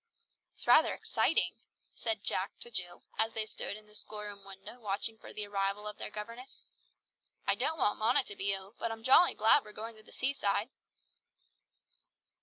"It's rather exciting!" said Jack to Jill as they stood at the school room window watching for the arrival of their governess. "I don't want Mona to be ill, but I'm jolly glad we're going to the seaside."